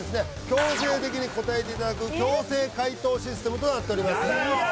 強制的に答えていただく強制回答システムとなっております